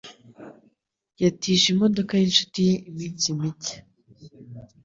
Yatije imodoka yinshuti ye iminsi mike.